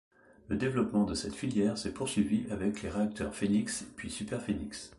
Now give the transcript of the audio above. Le développement de cette filière s'est poursuivi avec les réacteurs Phénix puis Superphénix.